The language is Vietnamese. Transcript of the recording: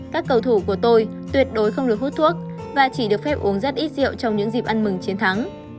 các cầu thủ của tôi tuyệt đối không được hút thuốc và chỉ được phép uống rất ít rượu trong những dịp ăn mừng chiến thắng